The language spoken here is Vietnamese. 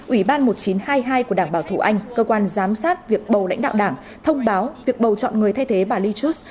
ủy ban một nghìn chín trăm hai mươi hai của đảng bảo thủ anh cơ quan giám sát việc bầu lãnh đạo đảng thông báo việc bầu chọn người thay thế bà ley chuth